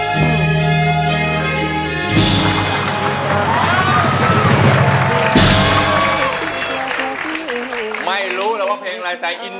คุยกับใครคะเนี่ย